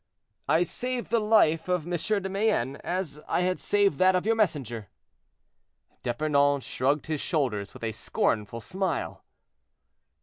"I saved the life of M. de Mayenne, as I had saved that of your messenger." D'Epernon shrugged his shoulders with a scornful smile.